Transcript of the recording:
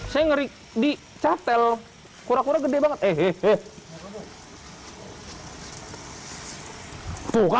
saya ser caternya